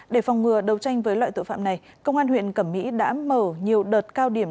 để phòng ngừa đấu tranh với loại tội phạm này công an huyện cẩm mỹ đã mở nhiều đợt cao điểm